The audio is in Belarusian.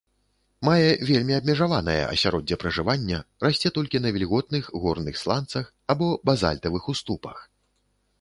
Мае вельмі абмежаванае асяроддзе пражывання, расце толькі на вільготных горных сланцах або базальтавых уступах.